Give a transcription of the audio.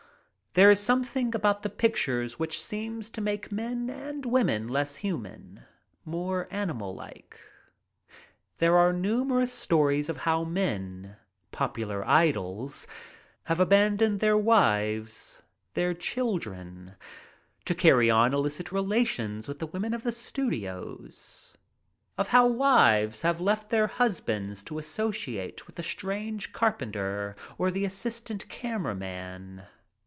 There is something about the pictures which seems to make men and women less human, more animal like. There are numerous stories of how men — popular idols — have abandoned their wives — their children, to carry on illicit relations with the women of the *■ A MOVIE QUEEN 69 studios; of how wives have left their husbands to associate with a stage carpenter or an assistant camera man.